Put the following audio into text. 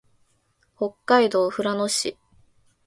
北海道富良野市